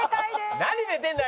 何寝てんだよ！